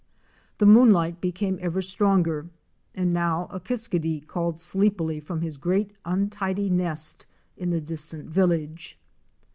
The moonlight became ever stronger and now a Kiskadee called sleepily from his great untidy nest in the distant village.